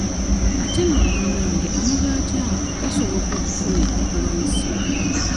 Ate nno munnange amabaati ago gasoboka okufunika ku layisi.